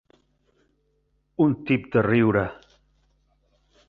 Un tip de riure.